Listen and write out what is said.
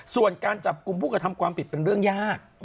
ส่วนการจับกลุ่มผู้กระทำความผิดเป็นเรื่องยาก